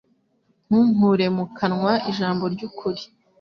Ntunkure mu kanwa ijambo ry’ukuri